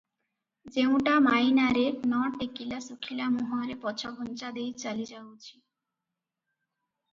ଯେଉଁଟା ମାଇନାରେ ନ ଟେକିଲା ଶୁଖିଲା ମୁହଁରେ ପଛଘୁଞ୍ଚା ଦେଇ ଚାଲି ଯାଉଅଛି ।